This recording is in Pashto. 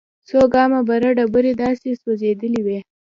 څو ګامه بره ډبرې داسې سوځېدلې وې.